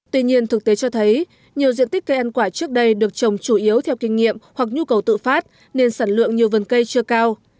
tuy nhiên thực tế cho thấy nhiều diện tích cây ăn quả trước đây được trồng chủ yếu theo kinh nghiệm hoặc nhu cầu tự phát nên sản lượng nhiều vườn cây chưa cao